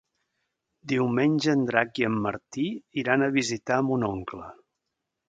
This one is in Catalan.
Diumenge en Drac i en Martí iran a visitar mon oncle.